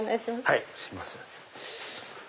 はいすいません。